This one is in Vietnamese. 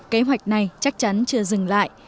kế hoạch này chắc chắn chưa dừng lại